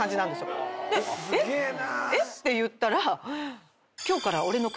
えっ？えっ？って言ったら。